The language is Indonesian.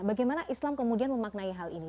bagaimana islam kemudian memaknai hal ini